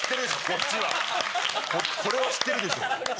こっちはこれは知ってるでしょ。